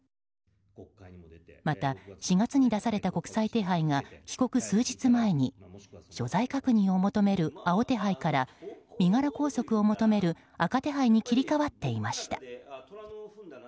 また４月に出された国際手配が帰国数日前に所在確認を求める青手配から身柄拘束を求める赤手配に切り替わっていました。